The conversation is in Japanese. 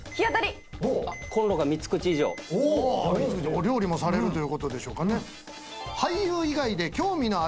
お料理もされるということでしょうかね？